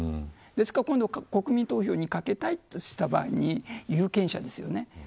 ですから今度国民投票にかけたいとした場合有権者ですよね。